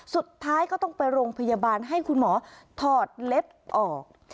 สุดท้ายก็ต้องไปโรงพยาบาลให้คุณหมอถอดเล็บออก